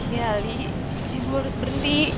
ya li ibu harus berhenti